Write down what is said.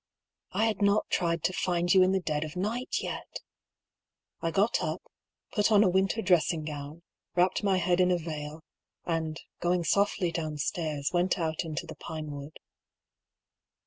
I had not tried to find you in the dead of night yet ! I got up, put on a winter dressing gown, wrapped my head in a veil, and, going softly downstairs, went out into the pinewood.